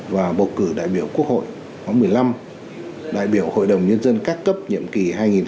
và bầu cử đại biểu quốc hội năm hai nghìn một mươi năm đại biểu hội đồng nhân dân các cấp nhiệm kỳ hai nghìn hai mươi một hai nghìn hai mươi sáu